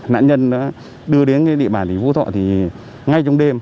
nạn nhân đã đưa đến địa bàn phú thọ ngay trong đêm